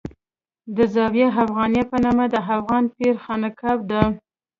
د زاویه افغانیه په نامه د افغان پیر خانقاه ده.